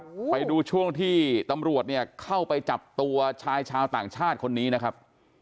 ไปดูช่วงที่ตำรวจเนี่ยเข้าไปจับตัวชายชาวต่างชาติคนนี้นะครับ